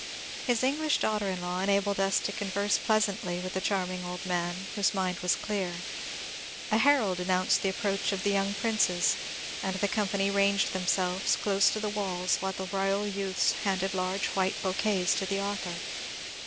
His English daughter in law enabled us to converse pleasantly with the charming old man, whose mind was clear. A herald announced the approach of the young princes, and the company ranged themselves close to HERMAN GRIMM 417 the walls, while the royal youths handed large white bouquets to the author.